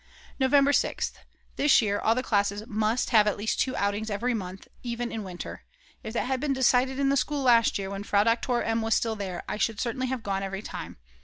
November 6th. This year all the classes must have at least two outings every month, even in winter. If that had been decided in the last school year, when Frau Doktor M. was still there, I should certainly have gone every time.